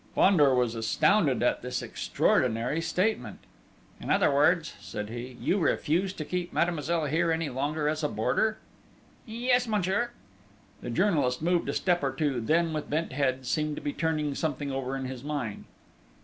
Fandor was astounded at this extraordinary statement. "In other words," said he, "you refuse to keep Mademoiselle here any longer as a boarder?" "Yes, monsieur!" The journalist moved a step or two, then, with bent head, seemed to be turning something over in his mind.